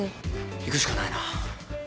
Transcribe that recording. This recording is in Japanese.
行くしかないな。